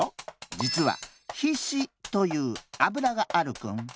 じつはひしというアブラがあるクン。